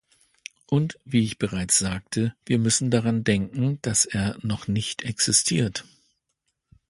Und wie ich bereits sagte wir müssen daran denken, dass er noch nicht existiert.